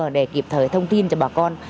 để kịp thời thông tin cho bà con